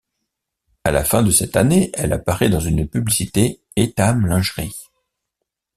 À la fin de cette année, elle apparaît dans une publicité Etam lingerie.